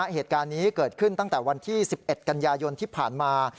เหตุการณ์นี้เกิดขึ้นตั้งแต่วันที่๑๑กันยายนที่ผ่านมา